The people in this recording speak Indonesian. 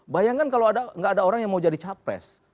bayangkan kalau nggak ada orang yang mau jadi capres